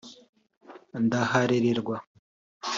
ndaharererwa